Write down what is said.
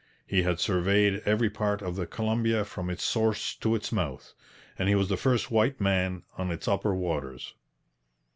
He had surveyed every part of the Columbia from its source to its mouth. And he was the first white man on its upper waters.